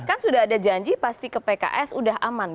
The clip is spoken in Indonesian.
kan sudah ada janji pasti ke pks sudah aman